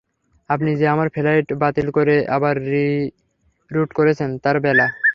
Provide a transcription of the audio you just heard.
আপনি যে আমার ফ্লাইট বাতিল করে আবার রি-রুট করেছেন, তার বেলা?